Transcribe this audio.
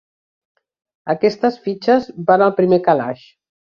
Aquestes fitxes van al primer calaix.